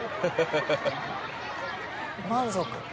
満足。